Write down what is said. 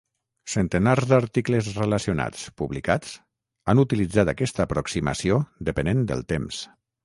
Centenars d'articles relacionats publicats han utilitzat aquesta aproximació depenent del temps.